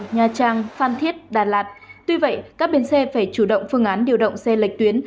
nha trang phan thiết đà lạt tuy vậy các bến xe phải chủ động phương án điều động xe lệch tuyến